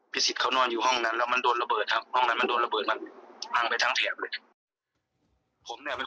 สิทธิ์เขานอนอยู่ห้องนั้นแล้วมันโดนระเบิดครับห้องนั้นมันโดนระเบิดมันพังไปทั้งแถบเลย